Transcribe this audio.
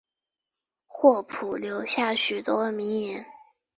霍普留下许多名言。